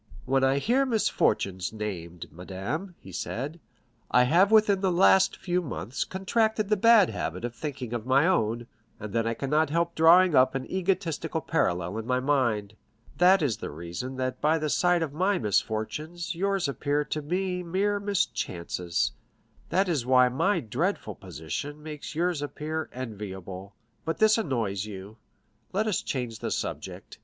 "When I hear misfortunes named, madame," he said, "I have within the last few months contracted the bad habit of thinking of my own, and then I cannot help drawing up an egotistical parallel in my mind. That is the reason that by the side of my misfortunes yours appear to me mere mischances; that is why my dreadful position makes yours appear enviable. But this annoys you; let us change the subject.